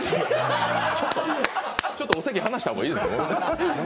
ちょっと席を離した方がいいですね。